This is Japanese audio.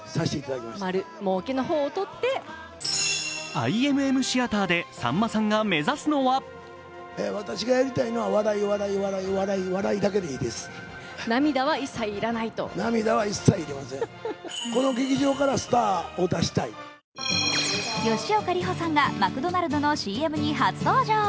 ＩＭＭＴＨＥＡＴＥＲでさんまさんが目指すのは吉岡里帆さんがマクドナルドのＣＭに初登場。